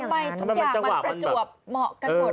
มองใส่เหมือนจะเหมือนเผา